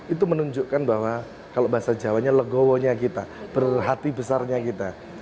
itu menunjukkan bahwa kalau bahasa jawanya legowonya kita berhati besarnya kita